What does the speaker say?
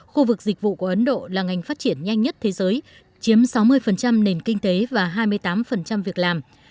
khu vực dịch vụ của ấn độ là ngành phát triển nhanh nhất thế giới chiếm sáu mươi nền kinh tế và hai mươi tám việc làm